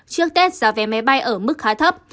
trước tết giá vé máy bay ở mức khá thấp